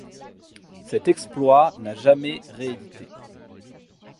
Cet exploit n'a jamais réédité.